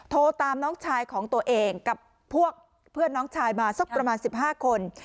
โทรตามน้องชายของตัวเองกับพวกเพื่อนน้องชายมาสักประมาณ๑๕คน